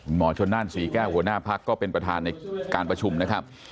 หมอชนนั่นศรีแก้วหัวหน้าพักก็เป็นประธานในการประชุมนะครับ